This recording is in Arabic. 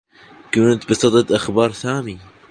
كنت بصدد إخبار سامي.